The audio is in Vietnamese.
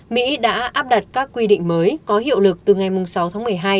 mỹ đã áp đặt các quy định mới có hiệu lực từ ngày sáu tháng một mươi hai